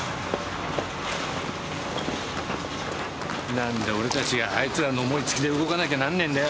何で俺たちがあいつらの思いつきで動かなきゃなんねえんだよ。